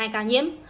một mươi hai ca nhiễm